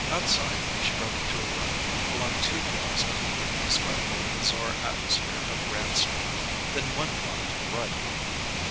Outside, she broke into run, along two blocks of the indescribable bazaar atmosphere of Grand Street, then one block to the right.